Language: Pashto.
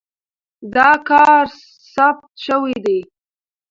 دا کار ثبت شوی دی.